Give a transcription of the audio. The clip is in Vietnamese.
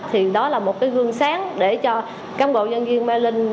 thì đó là một cái hương sáng để cho các bộ nhân viên mê linh